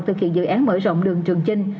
thực hiện dự án mở rộng đường trường trinh